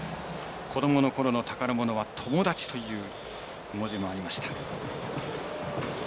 子どもの頃の宝物は友達という文字もありました。